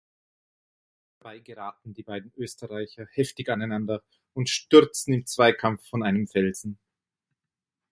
Dabei geraten die beiden Österreicher heftig aneinander und stürzen beim Zweikampf von einem Felsen.